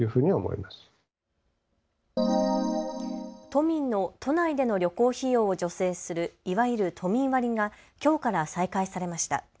都民の都内での旅行費用を助成する、いわゆる都民割がきょうから再開されました。